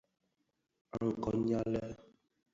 A kôn nyali.